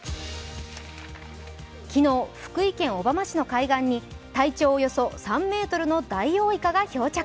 昨日、福井県小浜市の海岸に体長およそ３ｍのダイオウイカが漂着。